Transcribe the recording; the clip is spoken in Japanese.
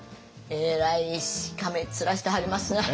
えらいしかめっ面してはりますなあ。